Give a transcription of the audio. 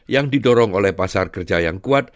yang didorong oleh pasar kerja yang kuat